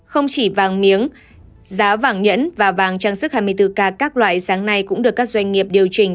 không chỉ vàng miếng giá vàng nhẫn và vàng trang sức hai mươi bốn k các loại sáng nay cũng được các doanh nghiệp điều chỉnh